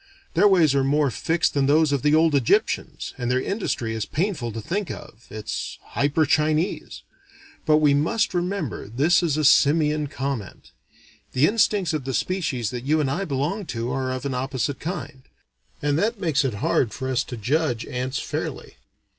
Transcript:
Their ways are more fixed than those of the old Egyptians, and their industry is painful to think of, it's hyper Chinese. But we must remember this is a simian comment. The instincts of the species that you and I belong to are of an opposite kind; and that makes it hard for us to judge ants fairly.